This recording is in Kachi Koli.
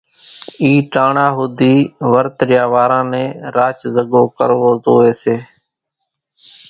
اِي ٽاڻا ۿوڌي ورت ريا واران نين راچ زڳو ڪروو زوئي سي۔